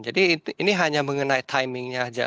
jadi ini hanya mengenai timingnya aja